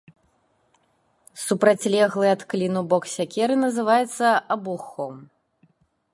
Супрацьлеглы ад кліну бок сякеры называецца абухом.